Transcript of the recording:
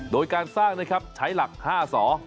โดยการสร้างใช้หลัก๕สอ